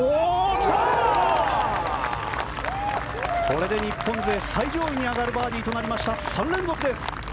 これで日本勢最上位に上がるバーディーとなりました。